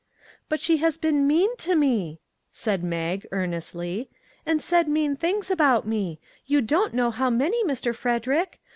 " But she has been mean to me," said Mag earnestly, "and said mean things about me; you don't know how many, Mr. Frederick.